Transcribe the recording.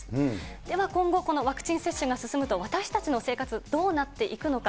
では今後、このワクチン接種が進むと私たちの生活、どうなっていくのか。